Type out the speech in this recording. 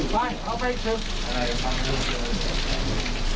ไปเอาไปเจิบ